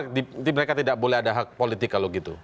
karena tidak boleh ada hak politik kalau gitu